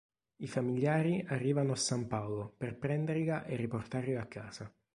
I famigliari arrivano a San Paolo per prenderla e riportarla a casa.